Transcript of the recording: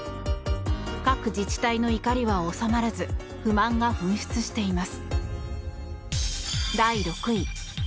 各自治体の怒りは収まらず不満が噴出しています。